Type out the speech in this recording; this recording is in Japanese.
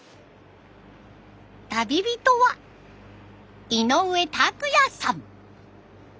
旅人は井上拓哉さん。